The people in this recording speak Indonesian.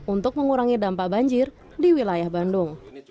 untuk mengurangi dampak banjir di wilayah bandung